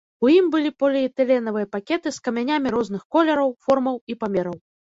У ім былі поліэтыленавыя пакеты з камянямі розных колераў, формаў і памераў.